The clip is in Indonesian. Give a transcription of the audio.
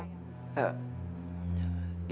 itu keputusan yang terburu buru